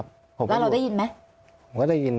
พี่พร้อมทิพย์คิดว่าคุณพิชิตคิดว่าคุณพิชิตคิด